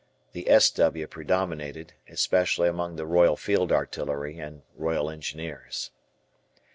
The "S.W." predominated, especially among the Royal Field Artillery and Royal Engineers.